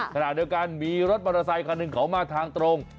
ขณะเดียวกันมีรถมอเตอร์ไซคันหนึ่งเขามาทางตรง